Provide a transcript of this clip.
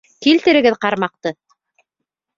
Килтерегеҙ ҡармаҡты!